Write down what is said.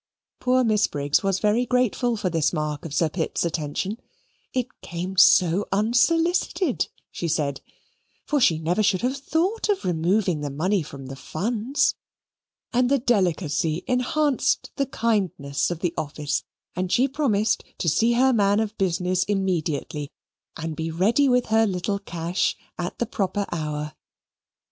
Poor Miss Briggs was very grateful for this mark of Sir Pitt's attention it came so unsolicited, she said, for she never should have thought of removing the money from the funds and the delicacy enhanced the kindness of the office; and she promised to see her man of business immediately and be ready with her little cash at the proper hour.